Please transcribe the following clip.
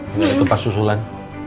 gak ada tempat susulan